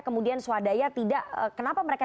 kemudian swadaya tidak kenapa mereka